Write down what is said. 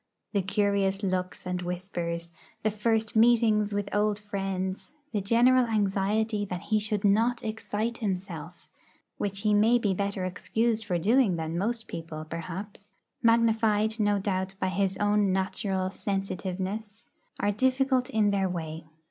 The curious looks and whispers, the first meetings with old friends, the general anxiety that he should not 'excite himself' (which he may be better excused for doing than most people, perhaps), magnified, no doubt, by his own natural sensitiveness, are difficult in their way.